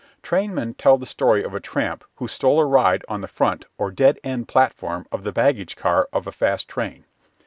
Trainmen tell the story of a tramp who stole a ride on the front or "dead" end platform of the baggage car of a fast train.